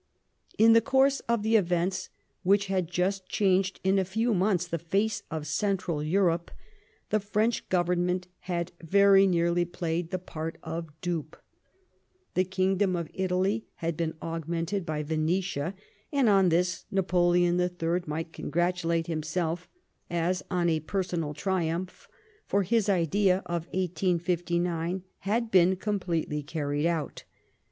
In the course of the events which had just changed in a few months the face of Central Europe, the French Government had very the^Treat^^ nearly played the part of dupe. The of Prague Kingdom of Italy had been augmented by Venetia, and on this Napoleon III might congratulate himself as on a personal triumph, for his idea of 1859 had been completely carried out.